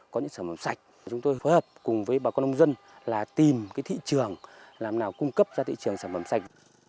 có những sản phẩm sạch chúng tôi phối hợp cùng với bà con nông dân là tìm thị trường làm nào cung cấp ra thị trường sản phẩm sạch